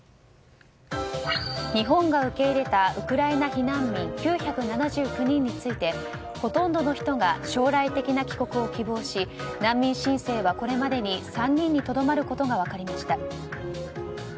日本が受け入れたウクライナ避難民９７９人についてほとんどの人が将来的な帰国を希望し難民申請は、これまでに３人にとどまることが分かりました。